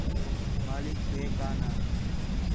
مالک ہے کا نہ